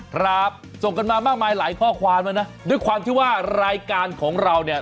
ครับส่งกันมามากมายหลายข้อความแล้วนะด้วยความที่ว่ารายการของเราเนี่ย